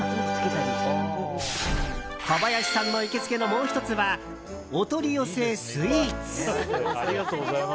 小林さんの行きつけのもう１つはお取り寄せスイーツ。